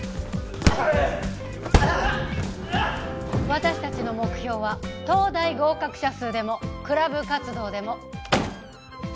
私たちの目標は東大合格者数でもクラブ活動でも京明に勝つ事です！